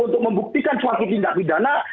untuk membuktikan suatu tindak pidana